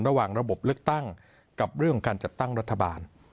ระหว่างระบบเลือกตั้งกับเรื่องการจะตั้งรัฐบาล